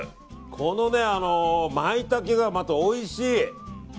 このマイタケがまたおいしい！